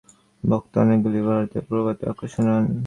বক্তা অনেকগুলি ভারতীয় প্রবাদ-বাক্য শুনান।